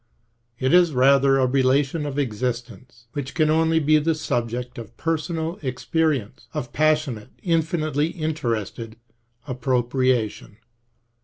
It is rather a relation of exist ence, which can only be the subject of personal experience, of passionate, infinitely interested, appropriation.